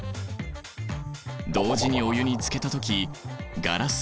同時にお湯につけた時ガラス